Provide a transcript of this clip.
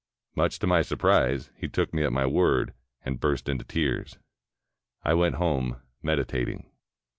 Much to my surprise, he took me at my word, and burst into tears. I went home, meditating.